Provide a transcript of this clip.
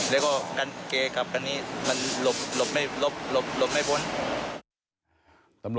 แล้วก็กันเกย์กลับคันนี้มันหลบไม่พ้น